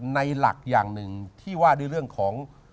ในหลักอย่างหนึ่งที่ว่าด้วยเรื่องของ